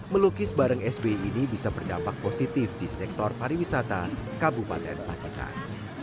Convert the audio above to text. melukis bareng sbi ini bisa berdampak positif di sektor pariwisata kabupaten pacitan